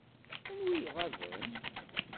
Anwa i iɣaben?